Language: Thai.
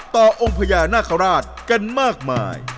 ต่อองภญานาคาราชกันมากมาย